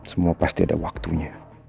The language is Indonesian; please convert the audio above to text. semua pasti ada waktunya